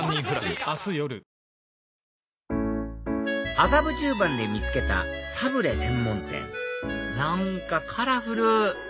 麻布十番で見つけたサブレ専門店何かカラフル！